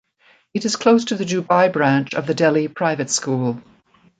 It is close to the Dubai branch of the Delhi Private School.